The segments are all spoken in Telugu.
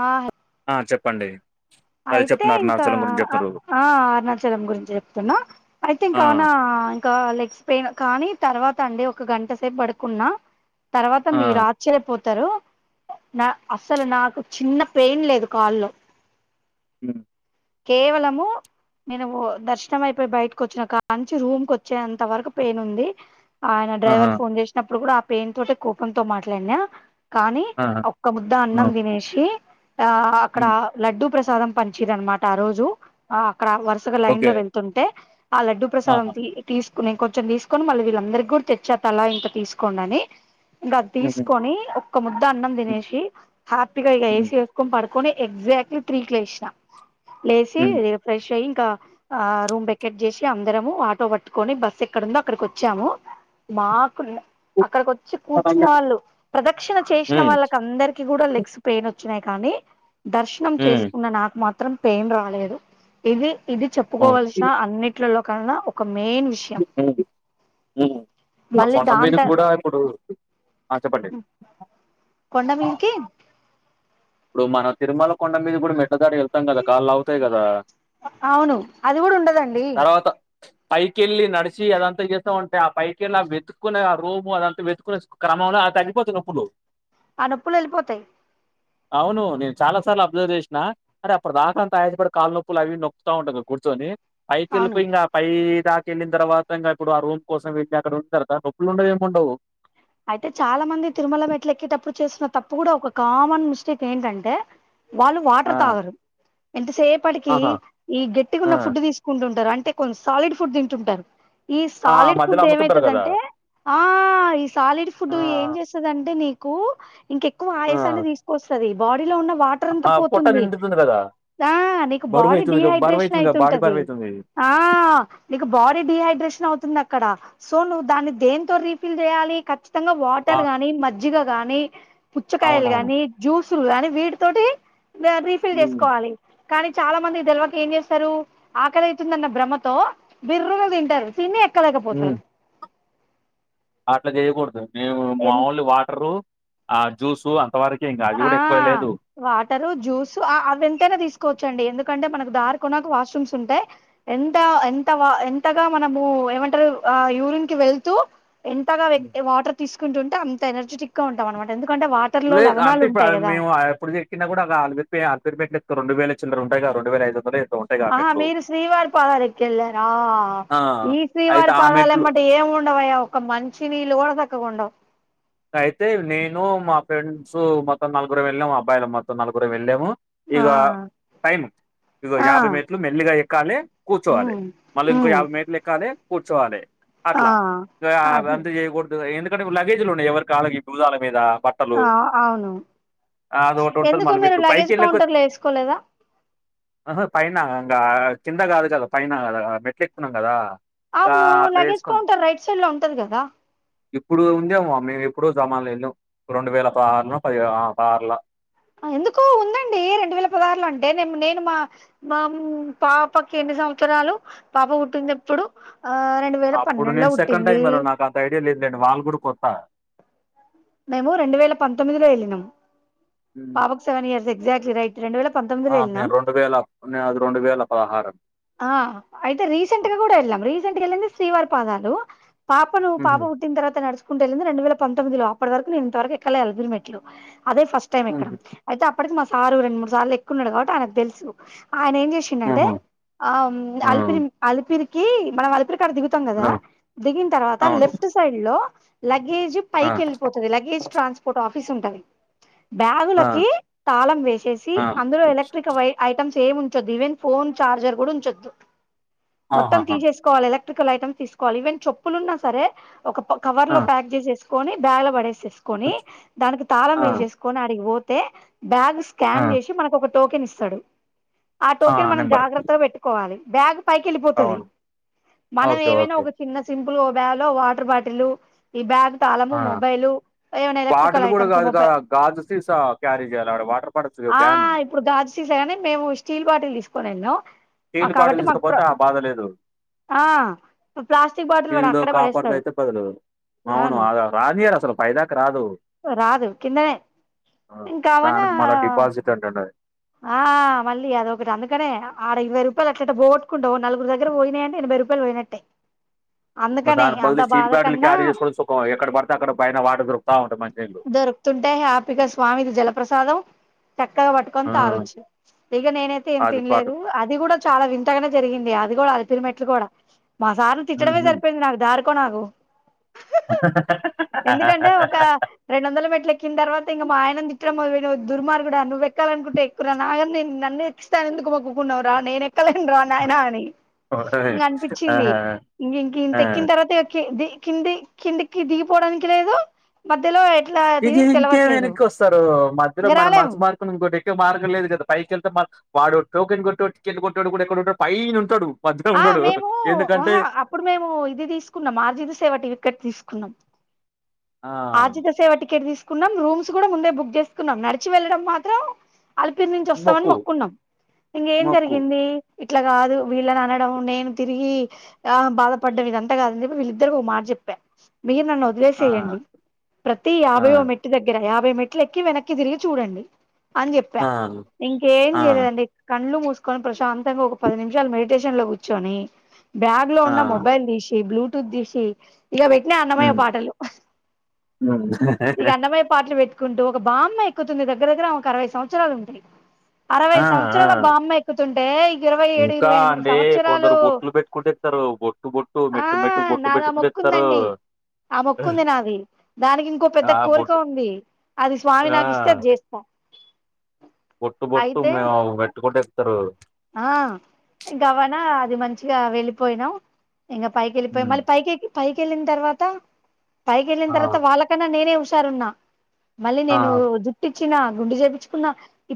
ఆ ఆ చెప్పండి అదే అయితే చెప్తున్నారు ఇంకా అరుణాచలం గురించి ఆ చెప్తున్నారు ఆ అరుణాచలం గురించి చెప్తున్నా అయితే ఇంకా ఆ అవునా క లెగ్స్ పెయిన్ కానీ తర్వాత అండి ఒక గంట సేపు పడుకున్నా తర్వాత ఆ మీరు ఆశ్చర్యపోత్ తరు నా అసలు నాకు చిన్న పెయిన్ లేదు కాల్లో ఉ కేవలము నేను ఓ దర్శనం అయిపోయి బయటకి వచ్చినా కాంచి రూమ్ కు వచ్చేంత వరకు పెయిన్ ఉంది ఆయన ఆహా డ్రైవర్ ఫోన్ చేసినప్పుడు కూడా ఆ పెయిన్ తోటే కోపంతో మాట్లాడినా కానీ ఆహా ఒక్క ముద్ద ఆ అన్నం తినేసి ఆ అక్కడ హ్మ్ లడ్డు ప్రసాదం పంచిరూ అనమాట ఆ రోజు ఆ అక్కడ వరుసగా లైన్ ఓకే లో వెళ్తుంటే ఆ లడ్డు ప్రసాదం ఆహా తీ తీసు కునే కొంచెం తీసుకొని మళ్ళీ వీళ్ళందరి కూడా తెచ్చా తలా ఇంత తీసుకోండి అని ఇంగ హుహు తీసుకొని ఒక్క ముద్ద అన్నం హ్మ్ తినేసి హ్యాపీగా ఇగ హ్మ్ ఎసి వేసుకొని పడు కొని ఎగ్జాక్ట్లీ త్రీ కి లేసినా లేచి హ్మ్ హ్మ్ రి ఫ్రెష్ అయి క ఆ రూమ్ వేకెట్ చేసి అందరము ఆటో పట్టుకొని బస్సు ఎక్కడందో అక్కడికి వచ్చాము మాకు కుండ హ్మ్ అక్కడికి వచ్చి కూర్చున్న అవును. వాళ్ళు ప్రదక్షిణ చేసిన హ్మ్ వాళ్ళకి అందరికి కూడా లెగ్స్ పెయిన్ వచ్చినాయి కానీ దర్శనం హ్మ్ చేసుకున్న నాకు మాత్రం పెయిన్ రాలేదు ఇది ఇది చెప్పుకోవాలసిన అన్నింటిలో కన్నా ఒక మెయిన్ విషయం ఉ మా మళ్ళీ కొండ దాని త మీదికి కూడా ఇప్పుడు ఆ చెప్పండి కొండ మీదికి ఇప్పుడు మన తిరుమల కొండ మీద కూడా మెట్ ట్ల దారి వెళ్తాం కదా కాళ్ళు లాగుతాయి కదా అవును అది కూడా ఉండదండి తర్వాత పైకెళ్లి నడిసి అదంతా చేద్దామంటే ఆ పైకెళ్ ఆ వెతుకోనే ఆ రూము అదంతా వెతుకుొనే క్రమ మంలో ఆ తగ్గిపోతాయి నొప్పులు ఆ నొప్పులు వెళ్ళిపోతాయి అవును నేను చాలా సార్లు అబ్జర్వ్ చేసినా అరే అప్పుడు దాకా అంత ఆయాసపడి కాలు నొప్పులు అవి నొక్కుతా ఉంటారు కూర్చొని అవును పైకెళ్ళిపోయి ఇంగా పై చాక్ వెళ్ళిన తవాత ఇంకా ఇప్పుడు ఆ రూమ్ కోసం వెళ్ళాయాక ఉంటారు కదా నప్పులు ఉండవు ఏమిముండవు అయితే చాలా మంది తిరుమల మెట్లేక్కేటప్పు చేస్తున్న తప్పు కూడా ఒక కామన్ మిస్టేక్ ఏంటంటే వాళ్ళు ఆ! వాటర్ తాగరు ఎంతసేపటికి ఆహా! ఈ గట్టిగా ఆ! ఉన్న ఫుడ్ తీసుకుంటుంటారు అంట్ అంటే కొన్ సాలిడ్ ఫుడ్ తింటుంటారు ఈ ఆ! సాలిడ్ మధ్యలో ఫుడ్ అమ్ముతుంటారు గదా! ఏమవుతుందటే ఆ ఈ సాలిడ్ ఆ! ఫుడ్ ఏం చేస్తుంది అంటే నీకు ఇంకెక్కువ ఆ! ఆయాసాన్ని తీసుకొస్తది డిలో ఉన్న వాటర్ అంతా ఆ! పొట్ట పోతుంది నిండుతుంది గదా! ఆ నీకు బాడీ బరువైతుందిగా డిహైడ్రేషన్ బరువైతుందిగా బాడీ అయితుంటది బరువైతుంది. ఆ నీకు బాడీ డిహైడ్రేషన్ అవుతుంది అక్కడ సో నువ్వు దాన్ని దేంతో రీఫిల్ చేయాలి ఖచ్చితంగా వా వాటర్ గాని మజ్జిగ గాని పుచ్చకాయలు అవునవును. గాని జ్యూసులు గానీ వీటి తోటి రీఫిల్ హ్మ్. చేసుకోవాలి కానీ చాలా మంది తేల్వక ఏం చేస్తారు ఆకలి అయితుందన్న భ్రమతో బిర్రుగ తింటరు తిని ఎ హ్మ్. ఎక్కలేకపోతారు అట్లా చేయకూడదు మేము ఎంత ఓన్లీ వాటరు ఆ జ్యూసు అ ఆ వాటరు జ్యూస్ ఆ అవి ఎంతైనా తీసుకోవచ్చండి ఎందుకంటే మనకు దారి కొనకు వాష్రూమ్స్ ఉంటాయి ఎంత ఎంత వ ఎంతగా మనము ఏమంటరు ఆ యు రిన్ కి వెళ్తూ ఎంతగా [unintelligible] వాటర్ తీసుకుంటుంటే అంత ఎనర్జెటిక్ గా ఉంటాం అనమాట ఎందుకంటే వాటర్ లో ల గ అంటే ఇప్పుడు మేము చెక్కి కూడా ఆపిరి ఆలపిరి పెట్లే రెడు వేల చిందలు ఉంటాయిగా రెండు వేలఐదుందరదు ఆహా మీరు శ్రీవారి పాదాలు ఎక్కి వెళ్ళర ఆ ఈ అయితే శ్రీవారి ఆ మెట్లు పాదాలుమ్మట ఏం ఉండవయ్య ఒక మంచి నీళ్ళు కూడ సక్కగుండవు అయితే నేను మా ఫ్రెండ్స్ మొత్తం నలుగురం వెళ్ళాము అబ్బాయిలమ్ మొత్తం నలుగురం వెళ్ళాము ఆ ఇగ టైం ఇగ ఆ యాభై మెట్లు మెల్లిగా ఎక్కాలి కూర్చోవాలి ఉమ్ మళ్ళీ ఇంకో ఉమ్ యాబై మేట్లెక్కాలి కూర్చోవాలి ఆ అట్ల గా అది అంత చేయకూడదు ఎందుకంటే లగేజ్లు ఉన్నాయి ఎవ్వరికి అల్లకి భూజాల మీద బట్టలు ఆ అవును అది ఒకటి ఉంటది ఎందుకు మళ్ళీ మీరు వీళ్ళు లగేజ్ పైకెళ్ళే కొద్ది కౌంటర్ లో వేసుకోలేదా ఆహ పైన ఇంగ కింద కాదు కదా పైన కదా మెట్లు ఎక్కుతున్నాం కదా అవును లగేజ్ కౌంటర్ రైట్ సైడ్ లో ఉంటది కదా ఇప్పుడు ఉందేమో మేము ఎప్పుడూ జమాన్లో వెళ్ళాం రెండు వేల పదహారులో పది పదహారులో ఆ ఎందుకో ఉందండి రెండు వేల పదహారులో అంటే నేను నేను మా మా పాపకి ఎన్ని సంవత్సరాలు పాప పుట్టిందెప్పుడు ఆ రెండు వేల అప్పుడు పన్నెండులో నేను సెకండ్ పుట్టింది టైమ్ వెళ్ళ నాకు అంత ఐడియా లేదులేండి వాళ్ళ గుడా కొత్తా మేము రెండు వేల పంతొమ్మిది లో వెళ్ళినం హ్మ్. పాపకు సెవెన్ ఇయర్స్ ఎగ్జాట్లీ రైట్ రెండు వేల పంతొమ్మిదిలో ఆ వెళ్ళినాం మేము రెండు వేలది రెండు వేల పదహారు ఆ అయితే రీసెంట్గా కూడ ఎల్లాం రీసెంట్ గా ఎల్లింది శ్రీవారి పాదాలు పాపను పాప హుహు. పుట్టిన తర్వాత నడుచకుంట వవెళ్ళింది రెండు వేల పంతొమ్మిదిలో ఇప్పటి వరకు నేన్ ఇంత వరకు ఎక్కలే అలిపిరి మెట్లు అదే ఫస్ట్ టైం ఎక్కడ హుహు. అయితే అప్పటికి మా సారు రెండు మూడు సార్లు ఎక్కున్నాడు కాబట్టి ఆయనకి తెలుసు ఆయన ఏం చేసిండంటే హుహు. ఆ ఆ! అలిపిరి అలిపిరికి మనం అలిపిరి కడ దిగుతాం ఆ! కదా దిగిన తర్వాత అవును. లెఫ్ట్ సైడ్ లో లగేజ్ ఆ! పైకి వెళ్ళి లగేజ్ ట్రాన్స్పోర్ట్ ఆఫీస్ ఉంటది ఆ! బ్యాగులకి తాళం వేసేసి ఆ! అందులో ఎలక్ట్రిక్ వై ఐటమ్స్ ఏం ఉంచొద్దు ఈవెన్ ఫోన్ చార్జర్ కూడా ఉంచొద్దు మొత్తం ఆహాహా! తీసేసుకోవాలి ఎలా లక్ట్రికల్ ఐటమ్ తీసుకోవాలి ఈవెన్ చెప్పులు ఉన్నా సరే ఒక కవర్ ఆ! లో ప్యాక్ చేసేసుకొని బ్యాగ్ లో పడే చేసుకోని దానికి తాళం ఆ! వేసేసుకొని ఆడికి పోతే బ్యాగ్ ఆ! స్కాన్ చేసి మనకు ఒక టోకెన్ ఇస్తాడు ఆ టోకెన్ మనం జాగ్రత్తగా పెట్టుకోవాలి బ్యాగ్ పైకి వెళ్ళిపోతది అవును. మనం ఓకే. ఏమైనా ఓకే. ఒక చిన్న సిం పుల్ గా ఓ బ్యాగ్ లో వాటర్ బాటిల్లు ఈ బ్యాగ్ తాళము ఆ! మొబైల్ ఏమైనా బాటిల్ ఎలక్ట్రికల్ కూడా ఐటమ్స్ కాదు గా మొబైల్ గాజు సీసా క్యారీ చేయాలి ఆక్కడ వాటర్ బాటిల్స్ ఆ బ్యాన్ ఇప్పుడు గాజు సీసాగాని మేము స్టీల్ బాటిల్ తీసుకొని వెళ్ళాం స్టీల్ బాటిల్ కాబట్టి మాకు తీసుకపోతే ఆ బాధలేదు ఆ ప్లాస్టిక్ బాటిల్ స్టీల్ వాడు దో అక్కడ కాపర్దో పడేస్తాడు అయితే పది రోజులు అవును అదే [unintelligible] నియ్యారు అసలు పై దాకా రాదు రాదు కిందనే ఇంకావనా దానికి మళ్ళా డిపాజిట్ అంటుండు ఆ మళ్ళీ అదొకటి అందుకనే ఆ ఆడ ఇరవై రూ రూపాయలుఅట్లెట్ల పోగొట్కుం నలుగురు దగ్గర పోయినయంటే ఎనభై రూపాయలు పోయినట్టే ద అందుకనే దాని అంత బదులు సీట్ బాధ బాటిళ్లు కన్నా క్యారీ చేసుకోవడం సుఖం ఎక్కడ పడితే అక్కడ పైన వాటర్ దొకుతా ఉన్ దొరుకుతుంటే హ్యాపీ గా స్వామిది జలప్రసాదం చక్కగా పట్టుకొని ఆ తాగొచ్చు ఇగా నేనైతే ఏం అది పాటు తినలేదు అది కూడా చాలా వింతగానే జరిగింది అది కూడా అది అలిపిరి మెట్లు కూడా మా సార్ను తిట్టడమే హుహు. సరిపోయింది నాకు దారుకో నాకు అ ఎందుకంటే ఒక రెండు వందలు మెట్లు ఎక్కిన తర్వాత ఇంక మా ఆయన తిట్టండం మో దుర్మార్గుడా నువ్వెక్కాలనుకుంటే ఎక్కు నా నేను నన్న ఎక్స్తాను ఎందుకు మగ్కున్నావు రా నేన ఎక్కలేను రా నాయనా అని ఓయ్! ఇంగ అనిపించింది ఆహా ఇంక ఇంక ఇంత ఆ ఎక్కిన తర్వాత కింది కిందికి దిగిపోవడానికి లేదు మధ్యలో ఎట్లా అది ఇక ఇంకే తెలవట్లేదు వెనక్కి వస్తారు మధ్యలో ఇంగ రాలేము మనసు మార్పుని ఇంకోటి మార్గం లేదు కదా పైకెళ్తే వాడు టోకెన్ కొట్టేటోడు టికెట్ కొట్టేటోడు కూడా ఎక్కడుంటడు పైన ఉంటడు ఆ మేము హా అప్పుడు మేము ఇది తీసుకున్నాం ఆర్జిన్సేవటి వికెట్ తీసుకున్నాం ఆ ఆర్జత సేవ టికెట్ తీసుకున్నాం రూమ్స్ కూడా ముందే బుక్ చేసుకున్నాం నడిచి వెళ్ళడం మాత్రం అలిపిరి నుంచి వస్తామని మొక్కు మొక్కున్నాం ఇంకేం మొక్కు జరిగింది ఇట్లా కాదు వీళ్ళని అనడం నేను తిరిగి ఆ బాధపడ్డం ఇదంతా కాదని చెప్పి వీళ్ళిద్దరి ఒక మాట చెప్ప [inaudible] మీరు నన్ను ఆ వదిలేసేయండి ప్రతి ఆ యాభయో మెట్టి దగ్గర యాభై మెట్లు ఎక్కి వెనక్కి తిరిగి చూడండి అని చెప్పా ఆ ఇంకేం ఆ చేయలేదండి కండ్లు మూ కొని ప్రశాంతంగా ఒక పది నిమిషాలు మెడిటేషన్ లో కూర్చొని బ్యాగ్ లో ఆ ఉన్న మొబైల్ తీసి బ్లూ దషి ఇక పెట్నే అన్నమయ్య ఉమ్ పాటలు ఉమ్ అట్లు పెట్టుకుంటూ ఒక బామ్మ ఎక్కుతుంది దగ్గ్గర ఒక అరవై సంవత్సరాలు ఉంటాయి అరవై ఆ ఆ సంవత్సరాల బామ్మ ఎక్కుతుంటే ఇరవై ఏడు ఇంకా ఇరవై ఎనిమిది అండి సంవత్సరాలు కొందరు బొట్లు పెట్టుకుంటూ ఎక్కుతారు బొట్టు బొట్టు ఆ మెట్టు మెట్టు బొట్టు నాది ఆ బెట్టు కూడాడి ఇతారు మొక్కుందండి ఆ మొక్కు ఉంది నాది దానికి ఇంకో పెద్ద ఆ కోరిక బొట్టు ఉంది అది స్వామి నాకు ఇస్తే అది చేస్తా పొట్టు బొట్టు అయితే మే పేట్టుకుంట ఎక్కుతారు ఆ ఇంకా అవ్వనా అది మంచిగా వెళ్ళిపోయినాం ఇంకా పైకి వెళ్ళిపోయి ఉమ్ మళ్ళీ పైకిె పైకెళ్ళిన తర్వాత పైకిెళ్ళిన ఆ తర్వాత వాళ్ళకన్నా నేనే మళ్ళీ ఆ నేను జుట్టిచ్చిన గుండుె చేపించుకున్నా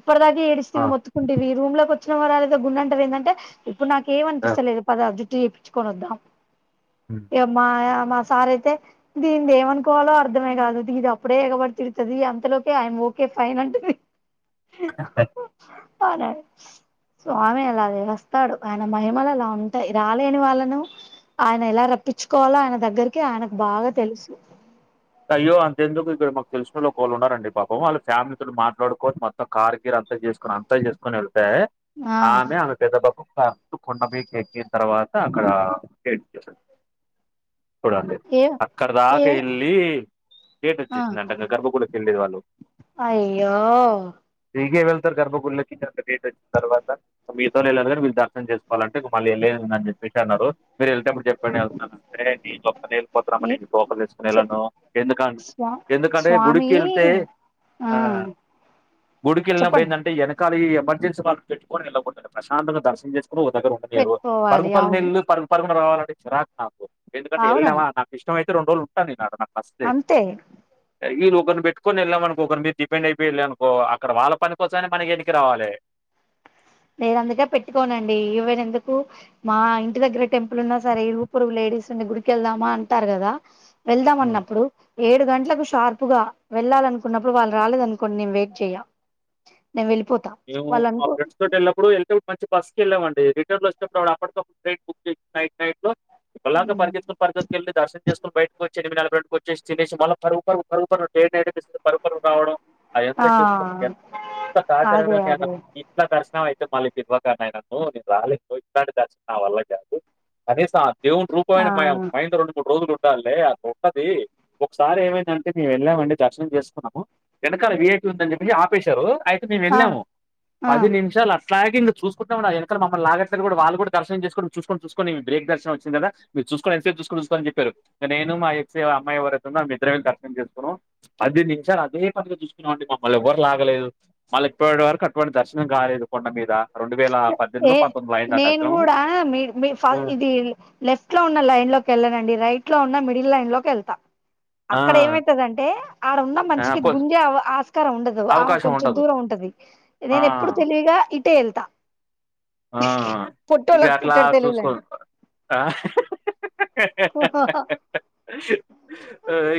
ఇప్పటిదాగ ఆ ఏడిస్తవి మొత్తుకుంటేవి రూమ్ లోకి వచ్చిన వారుద గుండంటారు ఏంటే ఇప్పుడు నాక ఆ ఏమనిపిస్తలేదు పద జుట్టు చేయిించుకొని వద్దాం హ్మ్. ఇవమ్మా మా సార్ అయితే దీది ఏమనుకోవాలో అర్థమే కాదు దీది అప్పుడే ఎగబడి తిడుతుంది అంతలోక ఆయ ఓకే ఫైన్ అంట ప స్వామి అలాగే వస్తాడు ఆయన మహిమలు అలా ఉంటాయి రాలేని వాళ్ళను ఆయన ఎలా రప్పించుకోవాలో ఆయన దగ్గరికి ఆయనకు బాగా తెలుసు అయ్యో అంత ఎందుకు ఇక్కడ మాకు తెలుసుినళ్ లో ఒకళ్ళు ఉన్నారండి పాపం వాళ్ళు ఫ్యామిలీతోో మాట్లాడుకోవచ్చ మొత్తం కార్గిర్ అంత చేసుకుని అంతా చేసుకుొని వెళ్తే ఆ ఆమె ఆమె పెద్ద బాబు కొండ ఎక్కన తర్వాత అక్కడ చూడండి ఏ అక్కడ ఏ దాకా వెళ్ళి కేట ఆ వచ్చేసింది అంటేంక గర్భ కూడాకి వెళ్ళేది వాళ్ళు అయ్యో తిగే వెళ్తారు గర్భగుళ్లకి రేట్ వచ్చిన తర్వాత మీతోనే వెళ్ళినీ మీళ్రు దర్శనం కోవాలంటే మళ్ళీళ్ళ ఉందని చెప్పేసి అన్నారు మీరు వెళ్ళటప్పుడు చెప్పండి వెళ్తున్నారుంటే నీ నీళిపోతామ్మని నీచ్ టోకెన్ తీసుకొని ఎందుకే స్వా ఎందుకంటే స్వామి గుడికి వెళ్తే ఆ గుడికి వెళ్ళినప్పుడు చెప్పండి ఏంటంటే వెనకాల ఈ ఎమర్జెన్ీ వాళ్ళు పెట్టుకొని వెళ్ళబపోంటారు ప్రశాంతంగా దర్శన చేస్తే ప్పు దగ్గర ఉంండలేరు పరుగు పెట్టుకోవాలి పరు అవును నళ్ళలు పరుగు పరుగులు రావాలంటే చిిరాక్ నాకు ఎందుకంటే అవును వెళనాా నా ఇష్టమయితే రెడు రోజులుంటాంది నా అ నాకు అంతే వళ ఒకరు పెట్టుకొని వెళ్ళాం అకో ఒకరి మీరు డిపండ్ అయి వెళ్ళ అనుకో అక్కడ వాళ్ళ పనినికిొసానే మనకి వెనక రావాలి నేను అందుకే పెట్టుకోనండి ఈవెన్ ఎందుకు మా ఇంటి దగ్గర టెంపుల్ ఉన్నా సరే ఇరుగుపొరుగులే రీసెంట్ గుడికెళ్దామా అంటారు కదా వెళ్దాం హ్మ్. అన్నప్పుడు ఏడు గంటలకు షార్ప్ గా వెళ్ళాలనుకున్నప్పుడు వాళ్ళు రాలేదనుకోండి నేను వెయిట్ చెయ్యా నేను వెళ్ళిపో మేము మా ఫ్రెండ్స్ తోటి వెళ్ళాం ఇప్పుడు వెళ్తే మంచి బస్సు వెళ్ళాండి రిటర్న్ లో వచ్చేప్పుడుప్పు అప్పటికప్పుడు ట్రై బుక్ చెయ్ నైట్ నైట్ ఇలాగా పరిగెత్తుకొని పరిగెత్తుకెళ్లి దర్శం చేసుకోని బయ చ్చ ఎనిమిదిల రండుకి వచ్చి తినే మళ్ళ పరువు పరువు టైడ్ అనిపిస్తుంది పరువు పరువు రావడం అది ఎంత ఆ చూసుకోంచార అదే అదే ఇట్లా దర్శనం అయితే మళ్ళీకి ఇవ్వక అయనన్న నేను రాలేదు ఇట్లాంటి దర్శనం నా వల్ల కాదు కనీసం దేవుడు ఆ రూపమైన మాయం మైండ్ రెండు మూడు రోజులు ఉండాలే ఆ గొప్పది ఒకసారి ఏమైందంటే మేము వెళ్ళామండి దర్శనం చేసుకున్నాము వెనకాల విఐపి ఉందని చెప్పేసి ఆపేశారు అయితే మేము ఆ వెళ్ళాము ఆ పది నిమిషాలు అస్సల్ ఫ్లాగింగ్ చూకుంటాం ఎనకాల మా అమ్మ లాగట్రు కూడా వాళ్ళ కూడా దర్శం చేసుకుని చూసుకొని చూసుకొని మీ బ్రేక్ దర్శం వచ్చింది కదా మీ చూసుకోని ఎంతసేపు చూసుకుని చెప్పారు నేను మా ఎక్స్ అమ్మాయి ఎవరై ఉన్నాము మేమిద్దరమే దర్శనం చేసుకున్నాం అది నిమిషాలు అదే పనిగా చూసుకున్నామండి మమ్మల్ని ఎవ్వరు లాగలేదు మళ్ళీ ఇప్పటి వరకు అటువంటి దర్శనం కాలేదు కొండ మీద రెండు వేల ఏ పద్దెనిమిదిలో పంతొమ్మిదిలో అయింది ఆ నేను దర్శనం కూడా మీ మీది ఫా ఇది లెఫ్ట్ లో ఉన్న లైన్ లోకి వె వెళ్ళనండి రైట్ లో ఉన్నా మిడిల్ లైన్ లోకి వెళ్తా ఆ అక్కడ ఏమైతదంటే ఆడున్న ఆ మనిషికి కొ గుంజా ఆస్కారం ఉండదు ఆమె అవకాశం కొంచెం ఉండదు దూరం ఉంటది ఆ నేను ఎప్పుడు తెలివిగా ఇటే వెళ్తా ఆ ఇక పొట్టోళ్ళకి అట్లా పుట్టాడు చూసుకో తెలుగులేండి [inaudible]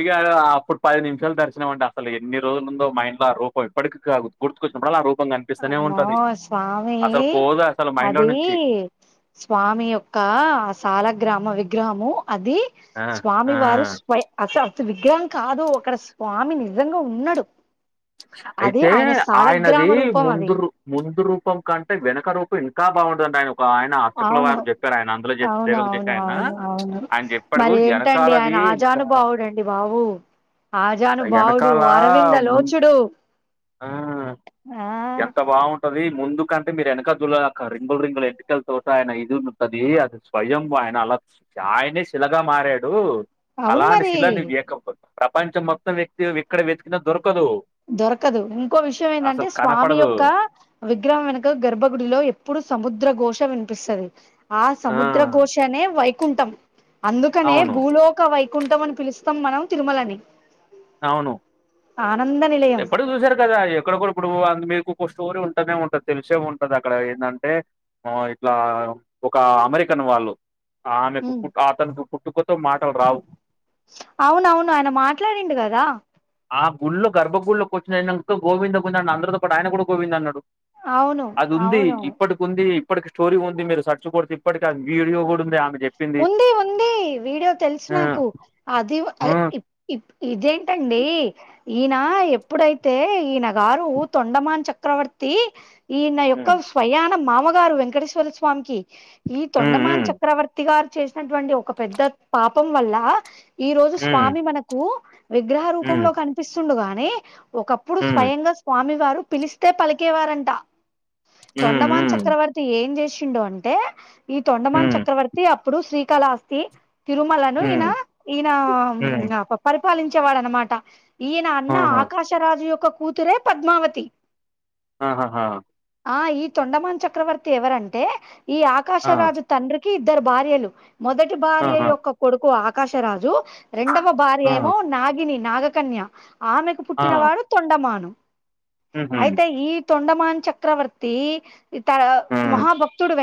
ఇక అప్పుడు పది నిమిషాల దర్శనం అంటే అసలు ఎన్ని రోజులు ఉందో మైండ్ లో ఆ రూపం ఇప్పటికి గుర్తుకు గుర్తుకొచ్చినప్పుడల్లా ఆ రూపం కనిపిస్తూనే అమ్మో ఉంటది స్వామి అసలు పోదు అది అది స్వామి యొక్క సాల గ్రామ విగ్రహము అది ఆ! ఆ! స్వామివారు స్వ అస్సల్ ఉత్తి విగ్రహం కాదు అక్కడ స్వామి నిజంగా ఉన్నాడు అది అయితే ఆయన ఆయనది సాలగ్రామ రూపం అది ముందురు ముందురు రూపం కంటే వెనక రూపు ఇంకా బాగుందండి నాయన ఆయన అర్చకుల అవును వారు చెప్పారు ఆయన అందులో చేసే అవును దేవకు చెప్ప అవును ఆయన అవును ఆయన చెప్పాడు వెనకాలది ఆజానబావుడు అండి బావు ఆజానబావుడు ఎనకాల అరవింద ముం లోచుడు ఆ ఆ ఎంత బాగుంటది ముందు కంటే మీరు వెనకజుల అక్క రింగుల రింగుల ఎంటకల తోటి ఆయన ఇది ఉంటది అది స్వయం ఆయన అలా చు చాయనే శిలగా మారాడు అవును అలాంటి మరి శిలా నీ వేకపోతు ప్రపంచం మొత్తం వ్యక్తి ఎక్కడ వెతికినా దొరకదు దొరక కదు ఇంకో విషయం ఏందంటే అసలు స్వామి కనపడదు యొక్క విగ్రహం వెనుక గర్భగుడిలో ఎప్పుడు సముద్ర గోష్ వినిపిస్తది ఆ సముద్ర గోశానే వైకుంఠం అందుకనే అవును భూలోక వైకుంఠం అని పిలుస్తాం మనం తిరుమలని అవును ఆనంద నిలయం ఎప్పటికి చూసారు కదా ఎక్కడ కూడా ఇప్పుడు అందు మీకు కొక స్టోరీ ఉంటానే ఉంటది తెలిసే ఉంటది అక్కడ ఏందంటే ఆ ఇట్లా ఒక అమెరికన్ వాళ్ళు ఆమెకు ఉమ్. పు అతనకు పుట్టుకతో మాటలు రావు అవునవును ఆయన మాట్లాడిండు కదా ఆ గుళ్లో గర్భగుల్లోకి వచ్చిన ఇంకా గోవింద గోవింద అందరితో పాటి ఆయన కూడా గోవింద్ అన్నాడు అవును అది ఉంది అవును ఇప్పటికి ఉంది ఇప్పటికి స్టోరీ ఉంది మీరు సర్చు కొడితే ఇప్పటికి అది వీడియో కూడా ఉంది ఆమె చెప్పింది ఉంది ఉంది వీడియో తెలుసు ఆ నాకు అది ఆ ఇదేంటి ఏంటండి ఈయన ఎప్పుడైతే ఈయన గారు తొండమాన్ చెప్తే చక్రవర్తి ఈ నా హ్మ్ యొక్క స్వయాన మామగారు వెంకటేశ్వర స్వామికి హ్మ్ హ్మ్ చక్రవర్తి ఈ నా యొక్క స్వయాన మామగారు వెంకటేశ్వర స్వామికి ఈ రోజు హ్మ్ స్వామి మనకు విగ్రహ హ్మ్ రూపంలో కనిపిస్తుడుగాని ఒకప్పుడు హ్మ్ స్వయంగా స్వామి వారు పిలిస్తే పలికేవారంట హ్మ్ తొండమాన్ హ్మ్ చక్రవర్తి ఏం చేసిండు అంటే ఈ తొండమాన్ హ్మ్. చక్రవర్తి అప్పుడు శ్రీకళ ఆస్తి తిరుమలలను ఈయన హ్మ్. ఈయన హ్మ్. పప్పారి పాలించేవాడనమాట ఈయన అన్న ఆహా ఆకాశరాజు యొక్క కూతురే పద్మావతి ఆహాహా ఆ ఈ తొండమాన్ చక్రవర్తి ఎవరంటే ఈ ఆ ఆకాశరాజు తండ్రికి ఇద్దరు భార్యలు మొదటి భార్య ఆహా యొక్క కొడుకు ఆకాశరాజు రెండవ ఆ భార్య ఏమో నాగినిని నాగకన్య ఆమెకు ఆ పుట్టిన వాడు తొండమాను హుహు అయితే ఈ తొండమాన్ చక్రవర్తి త ఆ మహాభక్తుడు వెంక